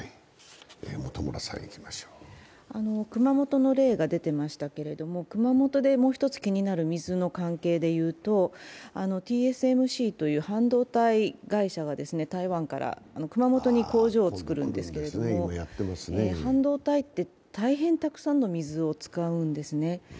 熊本の例が出ていましたが熊本でもう一つ気になる水の例でいきますとＴＳＭＣという半導体の会社が台湾から熊本に工場をつくるんですけど、半導体って大変たくさんの水を使うんですね。